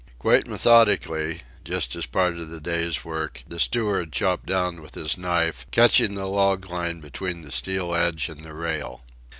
Quite methodically, just as part of the day's work, the steward chopped down with his knife, catching the log line between the steel edge and the rail.